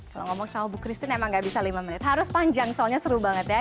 kalau ngomong sama bu christine emang gak bisa lima menit harus panjang soalnya seru banget ya